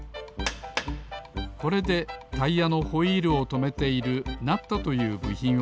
これでタイヤのホイールをとめているナットというぶひんをたたきます